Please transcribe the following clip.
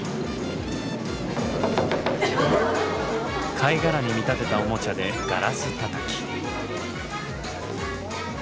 貝殻に見立てたおもちゃでガラスたたき。